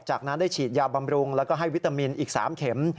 จากนั้นได้ฉีดยาบำรุงแล้วก็ให้วิตามินอีก๓เข็ม